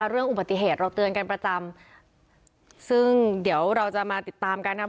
เรื่องอุบัติเหตุเราเตือนกันประจำซึ่งเดี๋ยวเราจะมาติดตามกันนะครับ